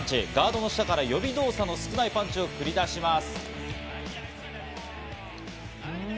ガードの下から予備動作の少ないパンチを繰り出します。